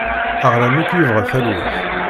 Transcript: Aɣlan akk yebɣa talwit.